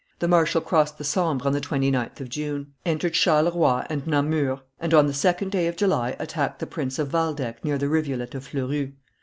The marshal crossed the Sambre on the 29th of June, entered Charleroi and Namur, and on the 2d of July attacked the Prince of Waldeck near the rivulet of Fleurus.